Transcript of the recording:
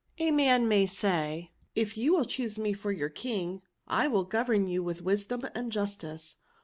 A man may say *li yon will choose me for your king, I will govern you with wisdom and justice.'